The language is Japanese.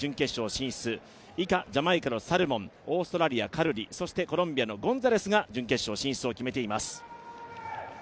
以下、ジャマイカのサルモンオーストラリアカルリ、コロンビアのゴンザレスが決勝進出を決めています。